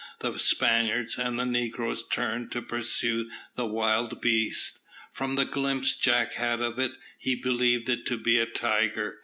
The Spaniards and the negroes turned to pursue the wild beast. From the glimpse Jack had of it, he believed it to be a tiger.